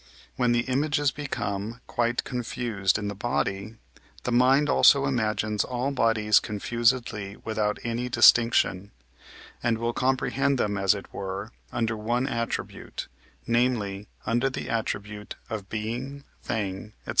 When the images become quite confused in the body, the mind also imagines all bodies confusedly without any distinction, and will comprehend them, as it were, under one attribute, namely, under the attribute of Being, Thing, &c.